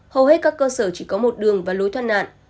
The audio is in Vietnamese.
hầu hết các cơ sở chỉ có một đường và lối thoát nạn